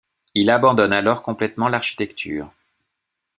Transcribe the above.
Il abandonne alors complètement l’architecture.